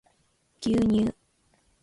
牛乳